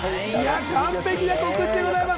完璧な告知でございます。